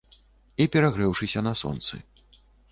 І перагрэўшыся на сонцы.